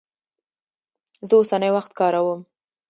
زه اوسنی وخت کاروم.